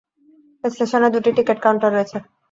স্টেশনে দুটি ticket counter রয়েছে।